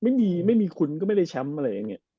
เออไม่มีคุณก็ไม่ได้แชมป์อะไรอย่างเงี้ย